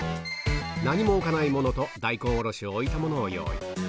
何も置かないものと、大根おろしを置いたものを用意。